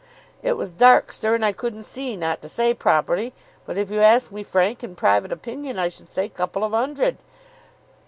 "It was dark, sir, and I couldn't see not to say properly; but if you ask me my frank and private opinion I should say couple of 'undred."